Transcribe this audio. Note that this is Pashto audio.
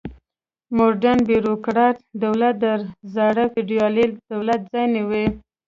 موډرن بیروکراټ دولت د زاړه فیوډالي دولت ځای ونیو.